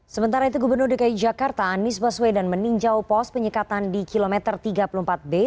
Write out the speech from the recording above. sementara itu gubernur dki jakarta anies baswedan meninjau pos penyekatan di kilometer tiga puluh empat b